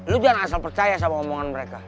lu biar asal percaya sama omongan mereka